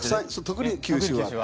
特に九州は。